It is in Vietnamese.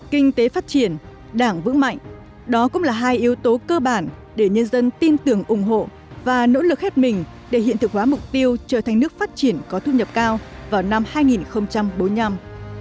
kinh tế phát triển đảng vững mạnh đó cũng là hai yếu tố cơ bản để nhân dân tin tưởng ủng hộ và nỗ lực hết mình để hiện thực hóa mục tiêu trở thành nước phát triển có thu nhập cao vào năm hai nghìn bốn mươi năm